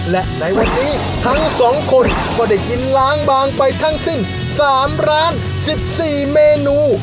และในวันนี้ทั้งสองคนก็ได้กินล้างบางไปทั้งสิ้น๓ร้าน๑๔เมนู